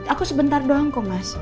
aku sebentar doang kok mas